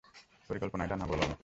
পরিকল্পনা এটা না, বল আমাকে।